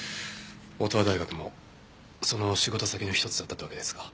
乙羽大学もその仕事先の一つだったってわけですか。